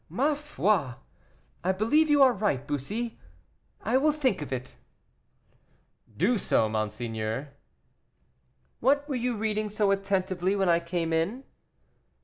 "Ma foi! I believe you are right, Bussy; I will think of it." "Do so, monseigneur." "What were you reading so attentively when I came in?"